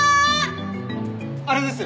あれです！